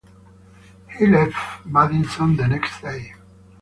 He left Madison the next day.